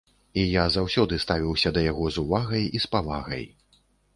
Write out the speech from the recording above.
І я заўсёды ставіўся да яго з увагай і з павагай.